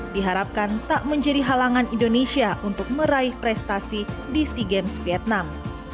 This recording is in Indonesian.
diharapkan tak menjadi halangan indonesia untuk meraih prestasi di sea games vietnam